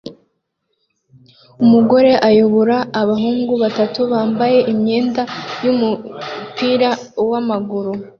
Umugore ayoboye abahungu batatu bambaye imyenda yumupira wamaguru